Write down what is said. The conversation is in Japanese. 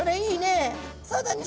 「そうだね